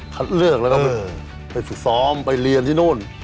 เลือกแล้วก็ไปฝึกซ้อมไปเรียนที่นู่น